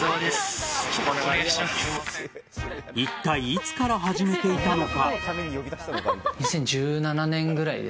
いったいいつから始めていたのか。